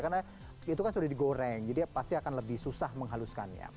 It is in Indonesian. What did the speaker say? karena itu kan sudah digoreng jadi pasti akan lebih susah menghaluskannya